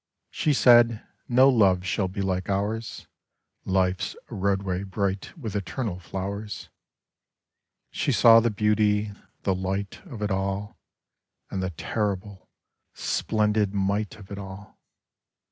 She said, " No love shall be like ours — Life's roadway bright with eternal flowers." She saw the beauty, the light of it all, And the terrible, splendid might of it all.